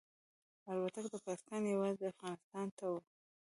الوتکه د پاکستان یوازې افغانستان ته وه.